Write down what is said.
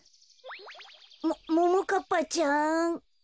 もももかっぱちゃん？